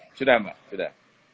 ya sudah mbak sudah